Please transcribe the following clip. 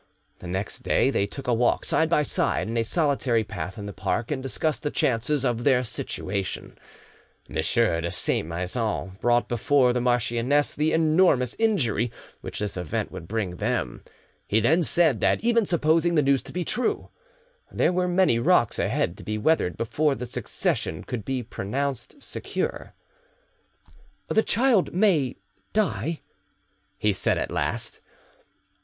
The next day they took a walk side by side in a solitary path in the park and discussed the chances of their situation. M. de Saint Maixent brought before the marchioness the enormous injury which this event would bring them. He then said that even supposing the news to be true, there were many rocks ahead to be weathered before the succession could be pronounced secure. "The child may die," he said at last.